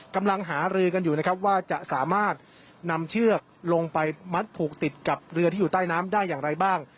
กำลังหารือกันอยู่นะครับว่าจะสามารถนำเชือกลงไปมัดผูกติดกับเรือที่อยู่ใต้น้ำได้อย่างไรบ้าง